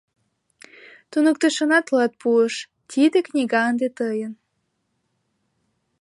- Туныктышына тылат пуыш, тиде книга ынде тыйын.